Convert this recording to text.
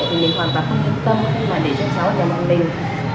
thì mình hoàn toàn không tin tâm để cho cháu ở nhà một mình